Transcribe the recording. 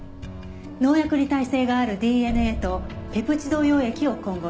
農薬に耐性があるＤＮＡとペプチド溶液を混合したもの。